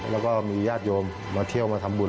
แล้วก็มีญาติโยมมาเที่ยวมาทำบุญ